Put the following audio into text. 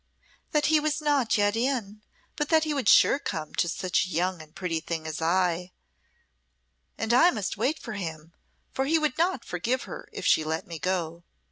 "That he was not yet in, but that he would sure come to such a young and pretty thing as I, and I must wait for him, for he would not forgive her if she let me go.